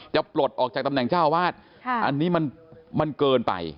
ปลดออกจากตำแหน่งเจ้าวาดอันนี้มันเกินไป